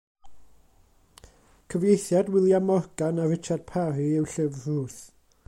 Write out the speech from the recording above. Cyfieithiad William Morgan a Richard Parry yw Llyfr Ruth.